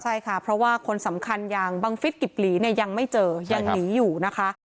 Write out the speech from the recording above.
ใช่ค่ะเพราะว่าคนสำคัญอย่างบังฟิศกิบหลีเนี่ยยังไม่เจอยังหนีอยู่นะคะ